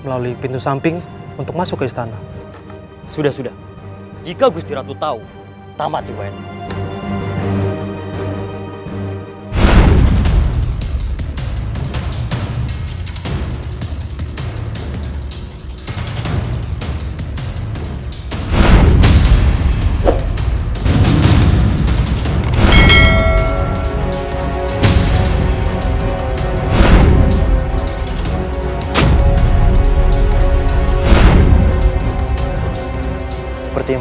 kau benar kita harus berhati hati